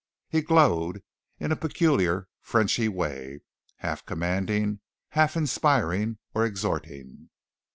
he glowed in a peculiarly Frenchy way, half commanding, half inspiring or exhorting.